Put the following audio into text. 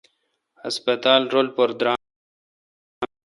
ہسپتالرل پر درام می این۔